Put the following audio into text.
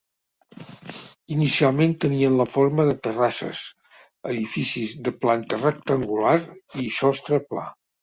Inicialment tenien la forma de terrasses, edificis de planta rectangular i sostre pla.